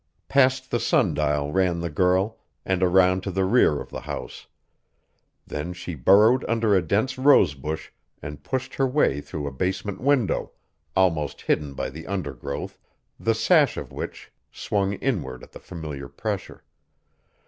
Past the sundial ran the girl, and around to the rear of the house. Then she burrowed under a dense rosebush and pushed her way through a basement window, almost hidden by the undergrowth, the sash of which swung inward at the familiar pressure.